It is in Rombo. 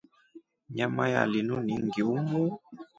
Nyama ya linu ni ngiumu.